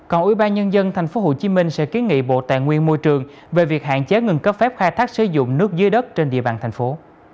còn ủy ban nhân dân tp hcm sẽ kiến nghị bộ tài nguyên môi trường về việc hạn chế ngừng cấp phép khai thác sử dụng nước dưới đất trên địa bàn thành phố